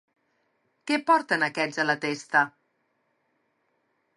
Què porten aquests a la testa?